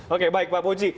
oke baik pak puji